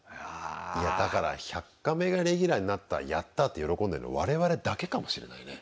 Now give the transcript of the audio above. いやだから「１００カメ」がレギュラーになったやった！って喜んでるの我々だけかもしれないね。